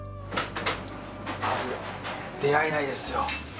まず出会えないですよ。